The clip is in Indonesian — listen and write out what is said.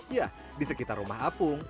ya di sekitar rumah apung